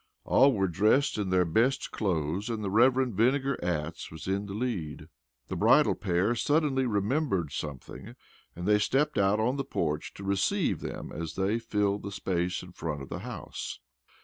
All were dressed in their best clothes and the Rev. Vinegar Atts was in the lead. The bridal pair suddenly remembered something, and they stepped out on the porch to receive them as they filled the space in front of the house.